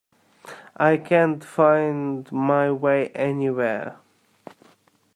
I can't find my way anywhere!